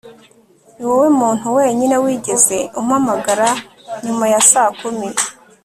niwowe muntu wenyine wigeze umpamagara nyuma ya saa kumi